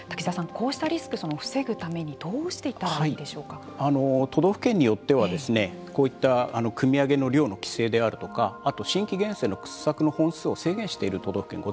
こうしたリスク防ぐためにどうしていったらいいでしょうか。都道府県によってはですねこういったくみ上げの量の規制であるとかあと新規源泉の掘削の本数を制限している都道府県ございます。